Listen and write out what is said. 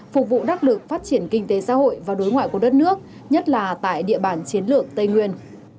phục vụ đắc lực phát triển kinh tế xã hội và đối ngoại của đất nước nhất là tại địa bàn chiến lược tây nguyên